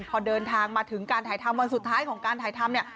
พอเดินทางมาถึงการถ่ายทำวันสุดท้ายของการถ่ายทำเนี่ย